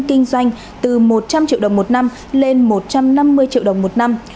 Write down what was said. kinh doanh từ một trăm linh triệu đồng một năm lên một trăm năm mươi triệu đồng một năm